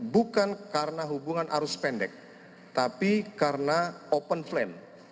bukan karena hubungan arus pendek tapi karena open flame